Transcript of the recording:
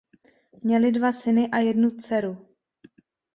Měli dva syny a jednu dceru.